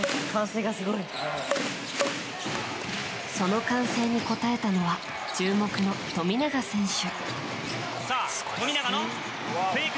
その歓声に応えたのは注目の富永選手。